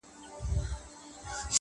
نو خود به اوس ورځي په وينو رنگه ككــرۍ